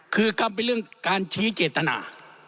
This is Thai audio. คือกรรมเป็นเรื่องการชี้เจตนา